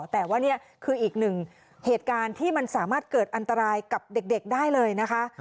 แต่ว่านี่คืออีกหนึ่งเหตุการณ์ที่มันสามารถเกิดอันตรายกับเด็กได้เลยนะคะ